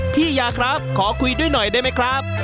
พี่ยาครับขอคุยด้วยหน่อยได้ไหมครับ